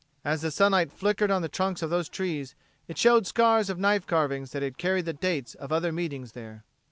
As the sunlight flickered on the trunks of those trees it showed scars of knife carvings that carried the dates of other meetings there.